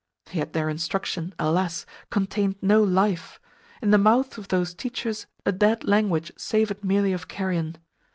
Yet their instruction, alas! contained no LIFE in the mouths of those teachers a dead language savoured merely of carrion.